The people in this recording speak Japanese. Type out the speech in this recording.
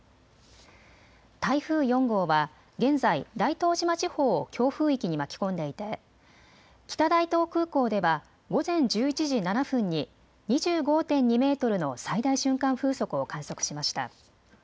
台風４号は現在、大東島地方を強風域に巻き込んでいて北大東空港では午前１１時７分に２５．２メートルの最大瞬間風速を観測しました。